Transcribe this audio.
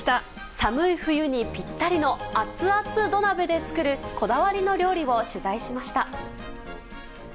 寒い冬にぴったりの熱々土鍋で作るこだわりの料理を取材しました。